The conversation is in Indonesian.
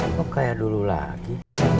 kok kaya dulu lagi